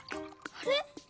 あれ？